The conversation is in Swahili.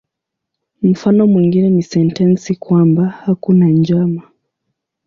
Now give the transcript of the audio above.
Mfano mwingine ni sentensi kwamba "hakuna njama".